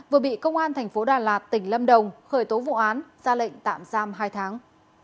vừa bị công an thành phố đà lạt tỉnh lâm đồng khởi tố vụ án ra lệnh tạm giam hai tháng